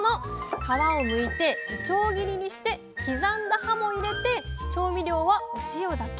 皮をむいていちょう切りにして刻んだ葉も入れて調味料はお塩だけ。